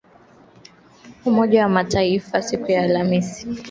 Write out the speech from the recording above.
Umoja wa Mataifa siku ya Alhamis ulionya dhidi ya chokochoko